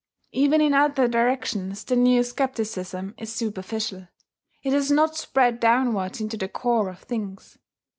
Even in other directions the new scepticism is superficial: it has not spread downwards into the core of things.